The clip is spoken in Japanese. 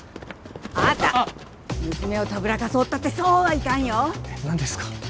あなた娘をたぶらかそうったってそうはいかんよ何ですか？